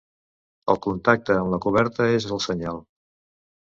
El contacte amb la coberta és el senyal.